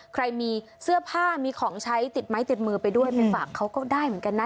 ใครมีเสื้อผ้ามีของใช้ติดไม้ติดมือไปด้วยไปฝากเขาก็ได้เหมือนกันนะ